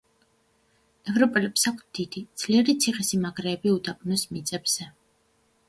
ევროპელებს აქვთ დიდი, ძლიერი ციხე-სიმაგრეები უდაბნოს მიწებზე.